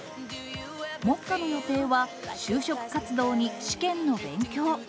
目下の予定は就職活動に試験の勉強。